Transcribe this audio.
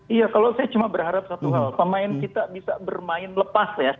iya kalau saya cuma berharap satu hal pemain kita bisa bermain lepas ya